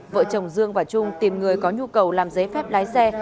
vợ chồng dương và trung tìm người có nhu cầu làm giấy phép lái xe